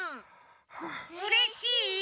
うれしい？